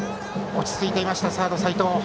落ち着いていました、サード齋藤。